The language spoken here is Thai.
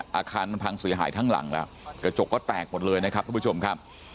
อาคารมันพังเสียหายทั้งหลังแล้วกระจกก็แตกหมดเลยนะครับทุกผู้ชมครับ